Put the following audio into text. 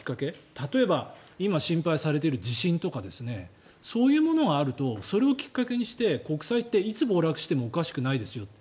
例えば今、心配されている地震とかそういうものがあるとそれをきっかけにして国債って、いつ暴落してもおかしくないですよって。